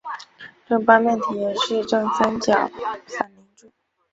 正八面体也是正三角反棱柱。